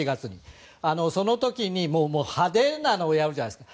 その時に派手なのをやるじゃないですか。